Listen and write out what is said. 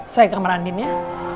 saya ke kamar andin ya